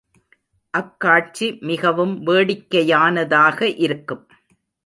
அக்காட்சி மிகவும் வேடிக்கையானதாக இருக்கும்.